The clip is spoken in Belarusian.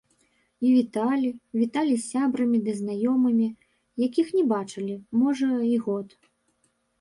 І віталі, віталі з сябрамі ды знаёмымі, якіх не бачылі, можа, і год.